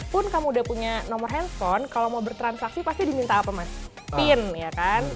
walaupun kamu udah punya nomor handphone kalau mau bertransaksi pasti diminta apa mas pin ya kan